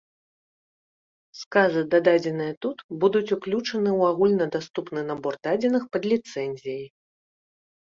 Сказы, дададзеныя тут, будуць уключаны ў агульнадаступны набор дадзеных пад ліцэнзіяй